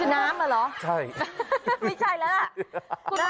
น้ำเหรอใช่ไม่ใช่แล้วล่ะ